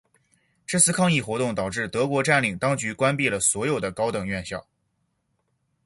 这次抗议活动导致德国占领当局关闭了所有高等院校。